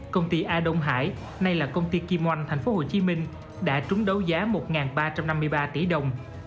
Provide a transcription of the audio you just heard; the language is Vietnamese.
công ty a đông hải nay là công ty kim oanh tp hcm đã trúng đấu giá một ba trăm năm mươi ba tỷ đồng